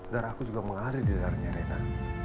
dan aku juga mengadil di dengannya reyna